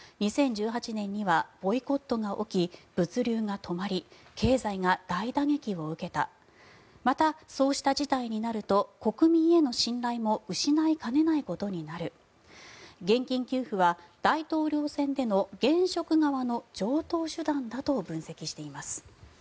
２０１８年にはボイコットが起き物流が止まり経済が大打撃を受けたまたそうした事態になると国民への信頼も失いかねないことになる現金給付は大統領選での現職側の常とう手段だと分析しています。